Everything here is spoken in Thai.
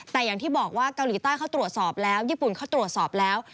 แต่อย่างที่บอกว่าเกาหลีใต้เขาตรวจสอบแล้วญี่ปุ่นเขาตรวจสอบแล้ว